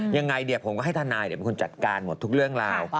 ยังไงผมก็ให้ทนายเป็นคนจัดการหมดทุกเรื่องราว